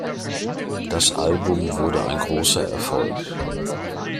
Das Album wurde ein großer Erfolg.